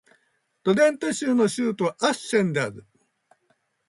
ドレンテ州の州都はアッセンである